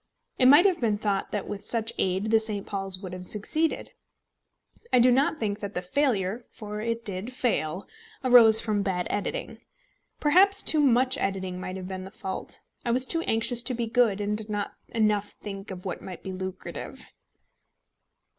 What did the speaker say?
It might have been thought that with such aid the St. Paul's would have succeeded. I do not think that the failure for it did fail arose from bad editing. Perhaps too much editing might have been the fault. I was too anxious to be good, and did not enough think of what might be lucrative.